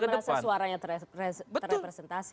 karena sudah tidak merasa suaranya terrepresentasi